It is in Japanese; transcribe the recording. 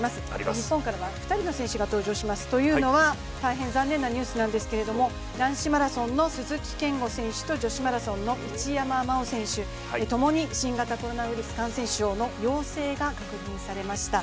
日本からは２人の選手が登場しますというのは大変残念なニュースなんですけど、男子マラソンの鈴木健吾選手と女子マラソンの一山麻緒選手ともに新型コロナウイルス感染症の陽性が確認されました。